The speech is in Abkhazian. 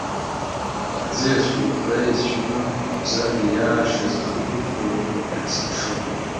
Аӡиа ацәқәырԥара иацәшәаны, мамзаргьы иаашьаз, ахықә иқәгыланы иаҳзыԥшуп.